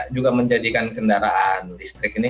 juga menjadikan kendaraan listrik ini